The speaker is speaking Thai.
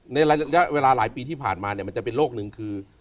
ในระยะเวลาหลายปีที่ผ่านมาเนี่ยมันจะเป็นโรคนึงคือ